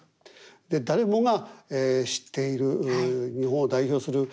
で誰もが知っている日本を代表する歌ですもんね。